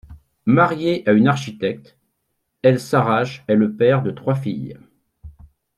Marié à une architecte, el-Sarraj est le père de trois filles.